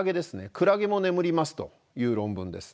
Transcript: クラゲも眠りますという論文です。